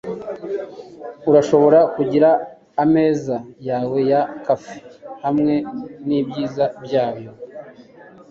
urashobora kugira ameza yawe ya cafe hamwe nibyiza byayo